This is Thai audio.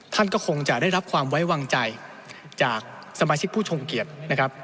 ท่านก็คงจะได้รับความไว้วางใจจากสมาชิกผู้ทรงเกียรตินะครับ